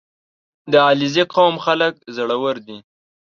• د علیزي قوم خلک زړور دي.